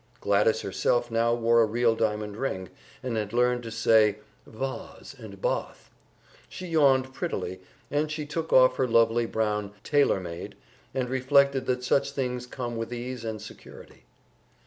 Gladys herself now wore a real diamond ring, and had learned to say "vahse" and "baahth." She yawned prettily as she took off her lovely brown "tailor made," and reflected that such things come with ease and security.